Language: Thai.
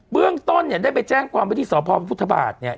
เรื่องต้นเนี่ยได้ไปแจ้งความวิธีสพพระพุทธบาทเนี่ย